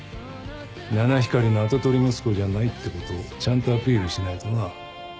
七光りの跡取り息子じゃないってことをちゃんとアピールしないとな。